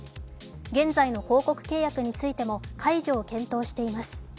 現在の広告契約についても解除を検討しています。